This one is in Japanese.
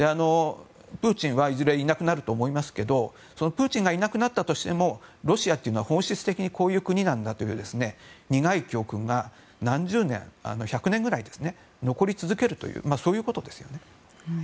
プーチンはいずれいなくなると思いますけどプーチンがいなくなったとしてもロシアというのは本質的にこういう国なんだという苦い教訓が何十年、１００年ぐらい残り続けるというそういうことですよね。